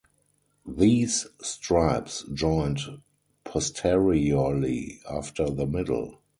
These stripes joined posteriorly after the middle.